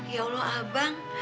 ya allah abang